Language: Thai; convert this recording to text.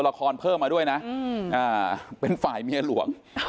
ละครเพิ่มมาด้วยน่ะอ่าเป็นฝ่ายเมียหลวง